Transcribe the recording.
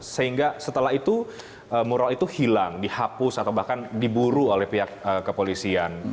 sehingga setelah itu mural itu hilang dihapus atau bahkan diburu oleh pihak kepolisian